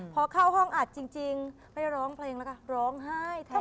พอเข้าห้องอัดจริงไม่ร้องเพลงแล้วก็ร้องไห้แทน